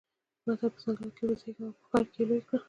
متل: په ځنګله کې يې وزېږوه او په ښار کې يې لوی کړه.